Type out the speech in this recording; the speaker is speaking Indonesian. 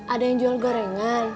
ada yang jual gorengan